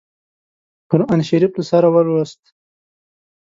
قرآن شریف له سره ولووست.